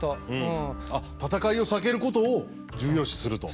戦いを避けることを重要視すると。